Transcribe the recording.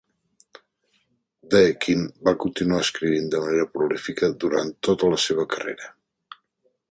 Deakin va continuar escrivint de manera prolífica durant tota la seva carrera.